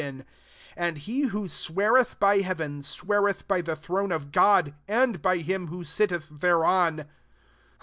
22 And he who sweareth I heaven, sweareth by the throi of God, and by Him who sittei thereon.